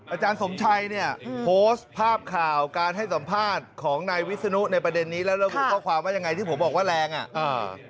อาจารย์สมชัยเนี่ยโพสต์ภาพข่าวการให้สัมภาษณ์ของนายวิศนุในประเด็นนี้แล้วระบุข้อความว่ายังไงที่ผมบอกว่าแรงอ่ะอ่า